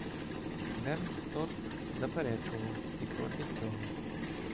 Бернсторф заперечував і проти цього.